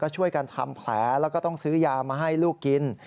ช่วยกันทำแผลแล้วก็ต้องซื้อยามาให้ลูกกิน